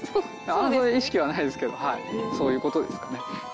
あまり意識はないですけど、そういうことですね。